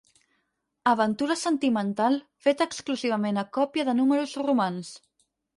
Aventura sentimental feta exclusivament a còpia de números romans.